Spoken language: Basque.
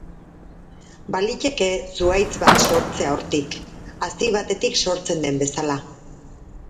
Baliteke zuhaitz bat sortzea hortik, hazi batetik sortzen den bezala.